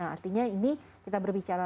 artinya ini kita berbicara